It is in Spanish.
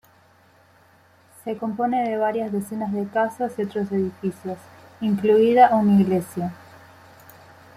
Se compone de varias decenas de casas y otros edificios, incluida una iglesia.